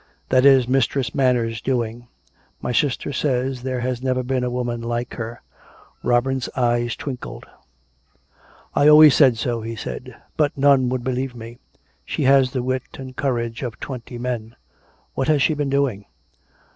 That is Mistress Manners' doing. My sister says there has never been a woman like her," Robin's eyes twinkled. " I always said so," he said. " But none would believe me. She has the wit and courage of twenty men. What has she been doing